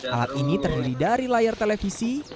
alat ini terdiri dari layar televisi